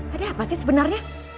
ada apa sih sebenarnya